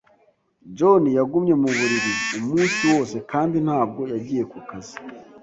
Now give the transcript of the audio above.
John yagumye mu buriri umunsi wose kandi ntabwo yagiye ku kazi.